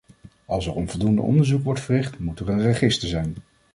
Als er onvoldoende onderzoek wordt verricht, moet er een register zijn.